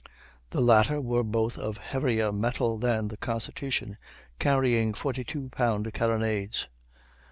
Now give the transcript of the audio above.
The latter were both of heavier metal than the Constitution, carrying 42 pound carronades.